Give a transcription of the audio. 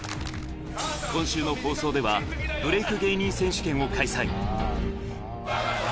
今週の放送では、ブレイク芸人選手権を開催。